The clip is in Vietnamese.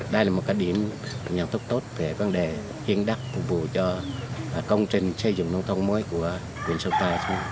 đây là một cái điểm nhận thức tốt về vấn đề hiên đắp phục vụ cho công trình xây dựng nông thôn mới của huyện sơn tây